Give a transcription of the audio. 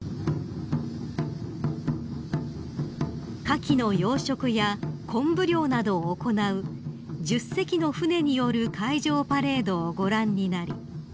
［カキの養殖やコンブ漁などを行う１０隻の船による海上パレードをご覧になり